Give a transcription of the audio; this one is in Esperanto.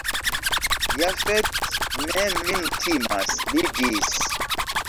Jafet ne min timas, li diris.